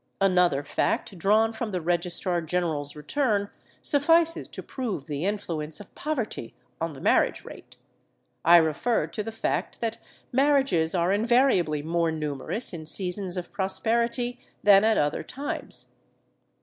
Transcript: Another fact drawn from the Registrar General's return suffices to prove the influence of poverty on the marriage rate. I refer to the fact that marriages are invariably more numerous in seasons of prosperity than at other times.